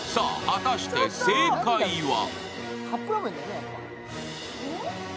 果たして正解は？